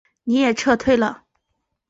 他也撤退了。